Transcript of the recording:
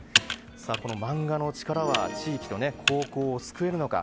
この漫画の力は地域と高校を救えるのか。